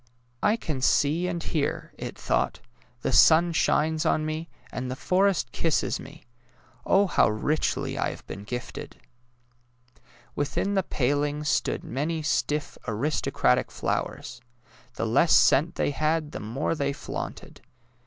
" I can see and hear," it thought; '' the sun shines on me, and the forest kisses me. Oh, how richly have I been gifted." THE DAISY 191 Within the palings stood many stiff, aris tocratic flowers — the less scent they had the more they flaunted.